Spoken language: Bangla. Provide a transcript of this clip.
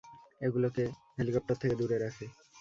ওগুলোকে হেলিকপ্টার থেকে দূরে রাখে।